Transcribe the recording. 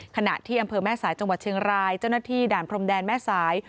ขณะที่อำเภอแม่สายจังหวัดเชียงรายเจ้าหน้าที่ด่านพรมแดนแม่สาย